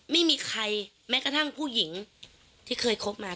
ไม่มีใครแม้กระทั่งผู้หญิงที่เคยคบมา